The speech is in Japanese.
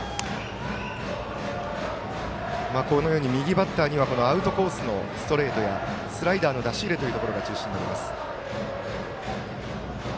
右バッターにはアウトコースのストレートやスライダーの出し入れというのが中心になります。